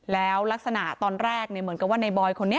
แล้วลักษณะตอนแรกเหมือนกับว่าในบอยคนนี้